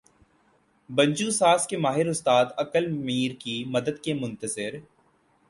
بنجو ساز کے ماہر استاد عقل میر کی مدد کے منتظر